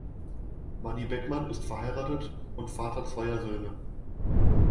Mani Beckmann ist verheiratet und Vater zweier Söhne.